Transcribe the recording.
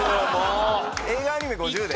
映画・アニメ５０で。